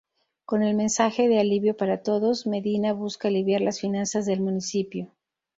Con el mensaje de "Alivio para Todos", Medina busca aliviar las finanzas del municipio.